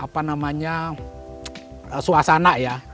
bagaimana suasana ya